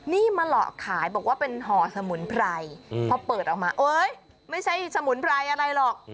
นี่มาหลอกขายบอกว่าเป็นห่อสมุนไพรพอเปิดออกมาเอ้ยไม่ใช่สมุนไพรอะไรหรอก